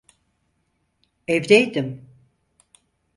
Evdeydim.